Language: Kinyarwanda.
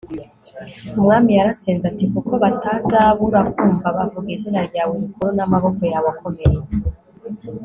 umwami yarasenze ati kuko batazabura kumva bavuga izina ryawe rikuru n'amaboko yawe akomeye